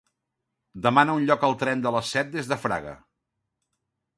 Demana un lloc al tren de les set des de Fraga.